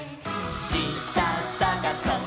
「したさがそっ！